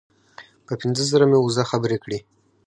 په پنځه زره مې وزه خبرې کړې.